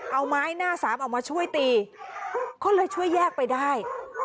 เอาไม้หน้าสามออกมาช่วยตีก็เลยช่วยแยกไปได้